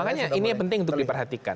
makanya ini yang penting untuk diperhatikan